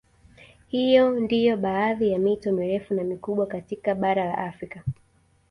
Hii ndio baadhi ya mito mirefu na mikubwa katika Bara la Afrika